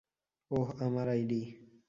ওহ, আমার আইডি।